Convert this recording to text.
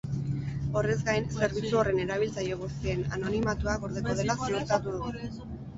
Horrez gain, zerbitzu horren erabiltzaile guztien anonimatua gordeko dela ziurtatu du.